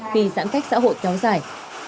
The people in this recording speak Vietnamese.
khi giãn cách xã hội chóng dài